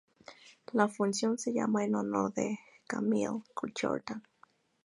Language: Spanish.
La función se llaman en honor de Camille Jordan.